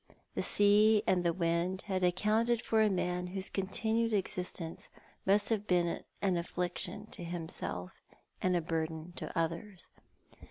The sea and the wind had accounted for a man whose continued existence must have been an affliction to himself and a burden to others.